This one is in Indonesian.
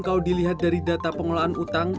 kalau dilihat dari data pengelolaan utang